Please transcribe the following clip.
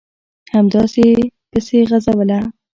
همداسې یې پسې غځوله ...